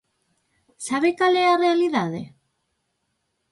¿Sabe cal é a realidade?